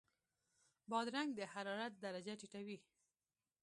بادرنګ د حرارت درجه ټیټوي.